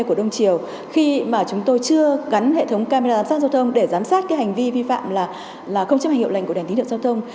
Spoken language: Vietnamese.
của đông triều khi mà chúng tôi chưa gắn hệ thống camera giám sát giao thông để giám sát cái hành vi vi phạm là không chấp hành hiệu lệnh của đèn tín hiệu giao thông